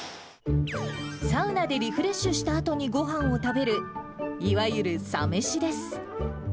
サウナでリフレッシュしたあとにごはんを食べる、いわゆるサ飯です。